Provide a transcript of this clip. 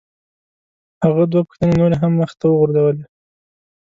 هغه دوه پوښتنې نورې هم مخ ته وغورځولې.